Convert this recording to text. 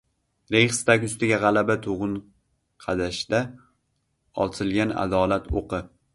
Reyxstag ustiga g‘alaba tug‘in -qadashda otilgan adolat o‘qi –